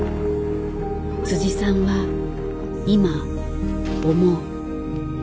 さんは今思う。